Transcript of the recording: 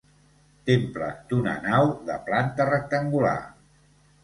Temple d'una nau, de planta rectangular.